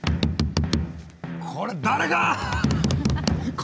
これ誰か！